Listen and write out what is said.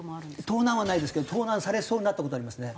盗難はないですけど盗難されそうになった事はありますね。